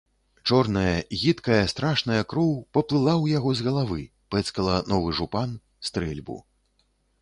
Чорная, гідкая, страшная кроў паплыла ў яго з галавы, пэцкала новы жупан, стрэльбу.